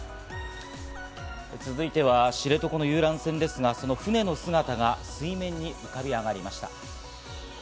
続いては知床の遊覧船ですが、その船の姿が水面に浮かび上がりました。